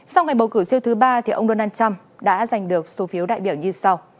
sau ngày bầu cử siêu thứ ba ông donald trump đã giành được số phiếu đại biểu như sau